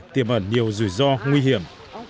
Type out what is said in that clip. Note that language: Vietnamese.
tiềm ẩn nhiều rủi ro nguy hiểm